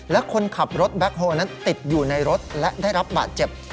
และคนขับรถแบ็คโฮลนั้นติดอยู่ในรถและได้รับบาดเจ็บ